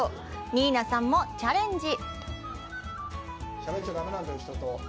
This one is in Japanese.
ニーナさんもチャレンジ。